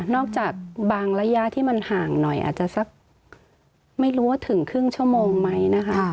จากบางระยะที่มันห่างหน่อยอาจจะสักไม่รู้ว่าถึงครึ่งชั่วโมงไหมนะคะ